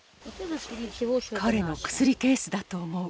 彼の薬ケースだと思う。